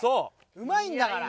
うまいんだから。